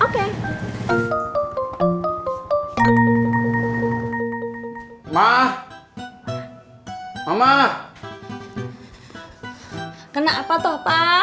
kenapa toh pa